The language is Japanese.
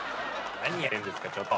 何やってんですかちょっと！